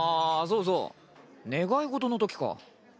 そうそう願い事のときか。